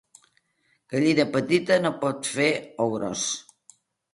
Gallina petita no pot fer ou gros.